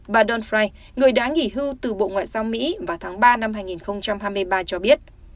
bà don frai người đã nghỉ hưu từ bộ ngoại giao mỹ vào tháng ba năm hai nghìn hai mươi ba cho biết